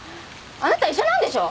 あなた医者なんでしょ？